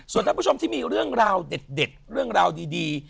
ส่วนท่านผู้ชมที่มีเรื่องราวเด็ดเรื่องราวดี